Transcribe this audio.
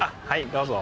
どうぞ。